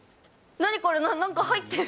何これ、なんか入ってる。